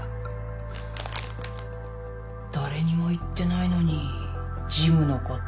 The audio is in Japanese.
誰にも言ってないのにジムのこと。